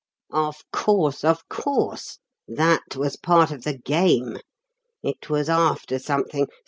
"Of course! Of course! That was part of the game. It was after something.